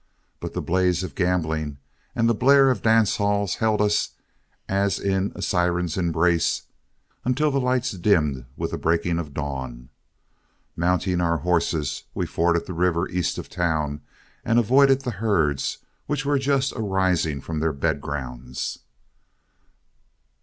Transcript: But the blaze of gambling and the blare of dance halls held us as in a siren's embrace until the lights dimmed with the breaking of dawn. Mounting our horses, we forded the river east of town and avoided the herds, which were just arising from their bed grounds.